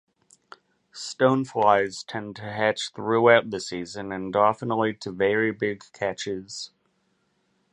Stoneflies tend to hatch throughout the season, and often lead to very big catches.